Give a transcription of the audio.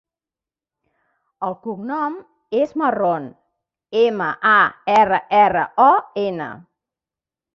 El cognom és Marron: ema, a, erra, erra, o, ena.